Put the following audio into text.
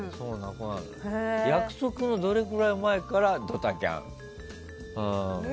約束のどれくらい前からドタキャン？